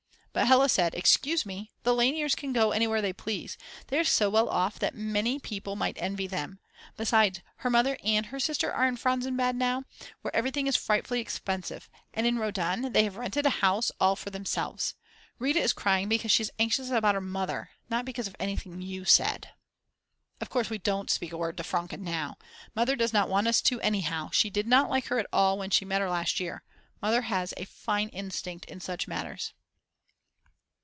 But Hella said: "Excuse me, the Lainers can go anywhere they please, they are so well off that many people might envy them. Besides, her Mother and her sister are in Franzensbad now, where everything is frightfully expensive, and in Rodaun they have rented a house all for themselves. Rita is crying because she is anxious about her Mother, not because of anything you said." Of course we don't speak a word to Franke now. Mother does not want us to anyhow, she did not like her at all when she met her last year. Mother has a fine instinct in such matters.